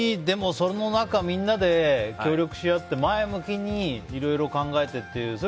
でも、その中でみんなで協力し合って前向きにいろいろ考えてっていう。